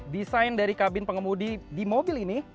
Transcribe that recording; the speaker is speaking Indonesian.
desain dari kabin pengemudi di mobil ini